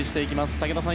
武田さん